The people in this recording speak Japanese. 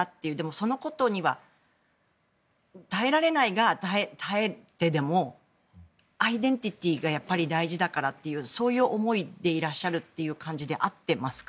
そのことは耐えられないけどそれに耐えてでもアイデンティティーがやっぱり大事だからというそういう思いでいらっしゃるという感じで合ってますか？